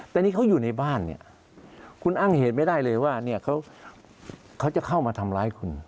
แต่นี่เขาอยู่ในบ้านเนี่ยคุณอ้างเหตุไม่ได้เลยว่าเขาจะเข้ามาทำร้ายคุณ